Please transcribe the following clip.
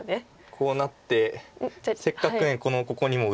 こうなってせっかくここにも打ったし